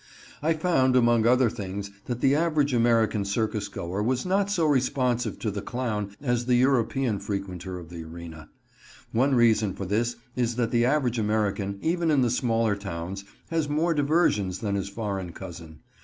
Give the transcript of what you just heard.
I found, among other things, that the average American circus goer was not so responsive to the clown as the European frequenter of the arena. One reason for this is that the average American, even in the smaller towns, has more diversions than his foreign cousin.